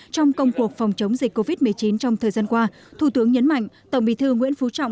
trong công cuộc phòng chống dịch covid một mươi chín trong thời gian qua thủ tướng nhấn mạnh tổng bí thư nguyễn phú trọng